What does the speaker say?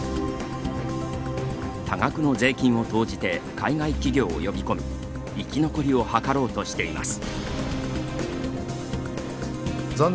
多額の税金を投じて海外企業を呼び込み生き残りを図ろうとしています。